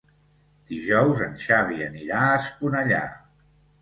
Dijous en Xavi anirà a Esponellà.